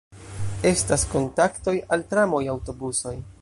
Estas kontaktoj al tramoj, aŭtobusoj.